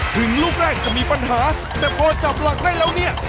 ถึงลูกแรกจะมีปัญหาแต่พอจับหลักได้แล้วเนี่ย